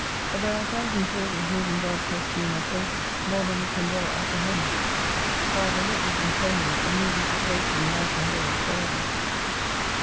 But there are a thousand causes moving God to esteem our praises, more than we can well apprehend. However, let these inflame you, and move you to praise Him night and day forever.